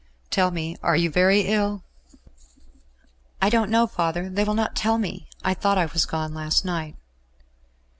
"Tell me, are you very ill?" "I don't know, father. They will not tell me. I thought I was gone last night."